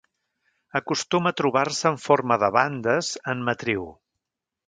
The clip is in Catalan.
Acostuma a trobar-se en forma de bandes en matriu.